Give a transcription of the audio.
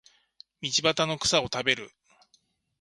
道端の草を食べる